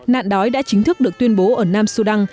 nạn đói đã chính thức được tuyên bố ở nam sudan